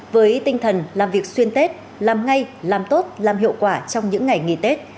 với tinh thần làm việc xuyên tết làm ngay làm tốt làm hiệu quả trong những ngày nghỉ tết